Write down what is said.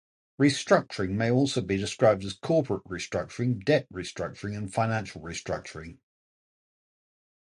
Restructuring may also be described as corporate restructuring, debt restructuring and financial restructuring.